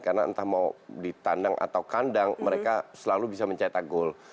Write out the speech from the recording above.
karena entah mau ditandang atau kandang mereka selalu bisa mencetak gol